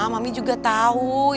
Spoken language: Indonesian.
mami juga tahu